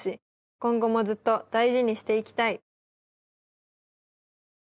「今後もずっと大事にしていきたい！」